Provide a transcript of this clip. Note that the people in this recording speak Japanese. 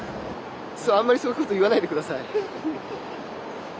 あまりそういうこと言わないでください。